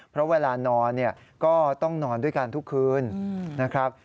เพราะเวลานอนเนี่ยก็ต้องนอนด้วยกันทุกคืนนะครับ